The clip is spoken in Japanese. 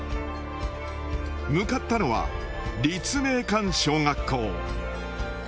向かったのは立命館小学校。